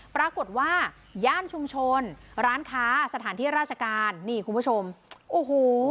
ปรากฏว่าย่านชุมชนร้านค้าสถานที่ราชการนี่คุณผู้ชมโอ้โห